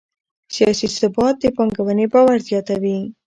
سیاسي ثبات د پانګونې باور زیاتوي